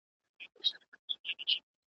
ویل خیر کړې درته څه پېښه ده ګرانه `